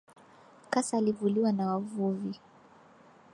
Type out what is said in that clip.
Kasa alivuliwa na wavuvi.